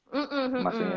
ad advertising gitu ya